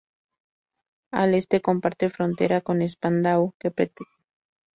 Al este comparte frontera con Spandau que pertenece al municipio de Berlín.